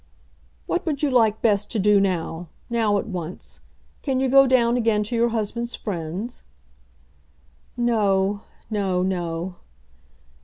"What would you like best to do now, now at once. Can you go down again to your husband's friends?" "No; no; no."